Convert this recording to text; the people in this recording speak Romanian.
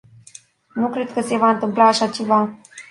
Nu cred că se va întâmpla așa ceva.